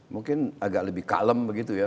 mungkin agak lebih kalem begitu ya